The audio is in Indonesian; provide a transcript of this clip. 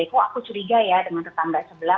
kok aku curiga ya dengan tetangga sebelah